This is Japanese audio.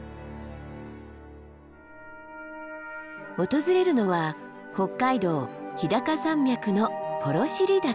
訪れるのは北海道日高山脈の幌尻岳。